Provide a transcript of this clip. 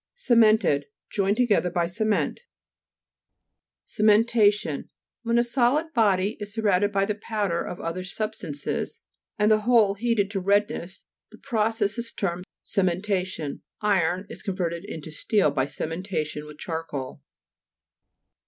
CE'METTTED Joined together by ce ment. 216 G L S S A R Y. G E O L G Y. CEMENTA'TIOX When a solid body is surrounded by the powder of other substances, and the whole heated to redness, the process is termed cementation. Iron is con verted into steel by cementation with charcoal.